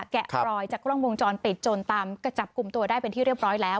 แกะรอยจากกล้องวงจรปิดจนตามจับกลุ่มตัวได้เป็นที่เรียบร้อยแล้ว